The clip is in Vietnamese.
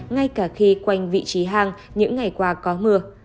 ngay cả khi quanh vị trí hang những ngày qua có mưa